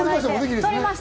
取りました。